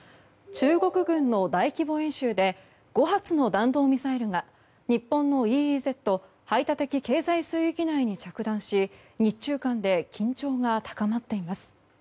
中国軍の大規模演習で５発の弾道ミサイルが日本のＥＥＺ・排他的経済水域内に着弾し日中間で緊張が高まっています。